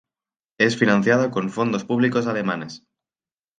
Es financiada con fondos públicos alemanes.